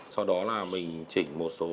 sau đó là mình chỉnh một số